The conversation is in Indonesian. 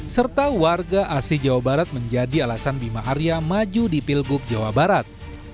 serta warga asli jawa barat menjadi alasan bima arya maju di pilgub jawa barat